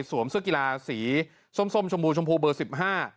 เสื้อกีฬาสีส้มส้มชมพูชมพูเบอร์สิบห้า